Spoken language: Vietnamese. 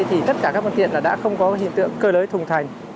thì tất cả các phương tiện đã không có hình tượng cơ lưới thùng thành